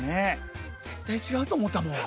絶対違うと思ったもん。